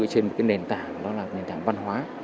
trên một nền tảng đó là nền tảng văn hóa